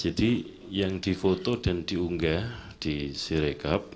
jadi yang difoto dan diunggah di unggah di sirikap